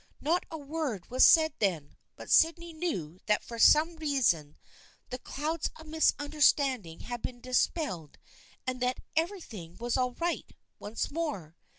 Not a word was said then, but Sydney knew that for some reason the clouds of misunderstanding had been dispelled and that "everything was all right" once more.